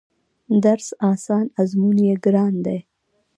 درس اسان ازمون يې ګران دی